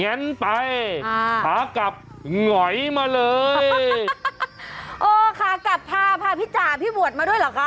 แนนไปหาขากลับหงอยมาเลยเออขากลับพาพาพี่จ๋าพี่บวชมาด้วยเหรอคะ